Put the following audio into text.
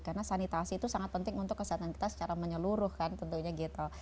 karena sanitasi itu sangat penting untuk kesehatan kita secara menyeluruh kan tentunya gitu